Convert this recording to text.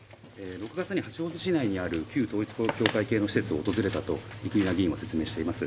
６月に八王子市内にある旧統一教会系の施設を訪れたと生稲議員が説明しています。